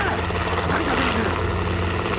何たくらんでる？